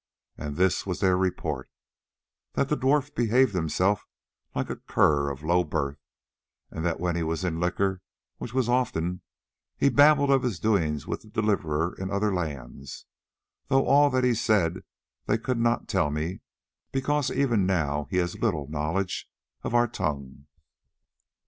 And this was their report: that the dwarf behaved himself like a cur of low birth, and that when he was in liquor, which was often, he babbled of his doings with the Deliverer in other lands, though all that he said they could not tell me because even now he has little knowledge of our tongue.